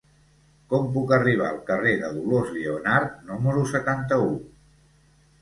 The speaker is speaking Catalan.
Com puc arribar al carrer de Dolors Lleonart número setanta-u?